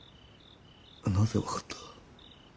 なぜ分かった。